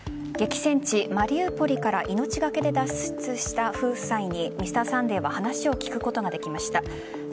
激戦地・マリウポリから命がけで脱出した夫妻に「Ｍｒ．サンデー」は話を聞くことができました。